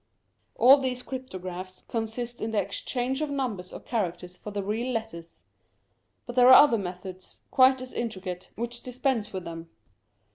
All these cryptographs consist in the exchange of numbers or characters for the real letters ; but there are other methods quite as intricate, which dispense with them.